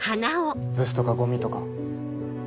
「ブス」とか「ゴミ」とか。